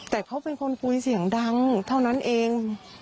แต่เขาเป็นคนคุยเสียงดังเท่านั้นเอง